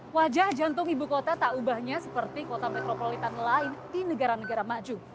wajah jantung ibu kota tak ubahnya seperti kota metropolitan lain di negara negara maju